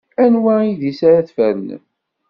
Anwa idis ara tfernem?